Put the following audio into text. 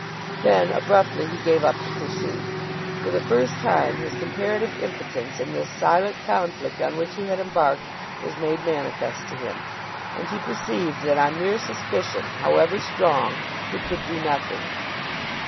Then abruptly he gave up the pursuit. For the first time his comparative impotence in this silent conflict on which he had embarked was made manifest to him, and he perceived that on mere suspicion, however strong, he could do nothing.